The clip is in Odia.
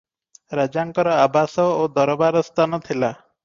ରାଜାଙ୍କର ଆବାସ ଓ ଦରବାରସ୍ଥାନ ଥିଲା ।